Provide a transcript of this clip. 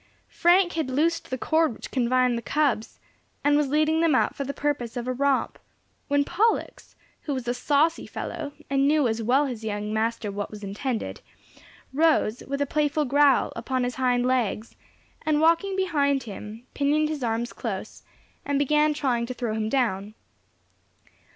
Frank had loosed the cord which confined the cubs, and was leading them out for the purpose of a romp, when Pollux, who was a saucy fellow, and knew as well as his young master what was intended, rose, with a playful growl, upon his hind legs, and walking behind him, pinioned his arms close, and began trying to throw him down.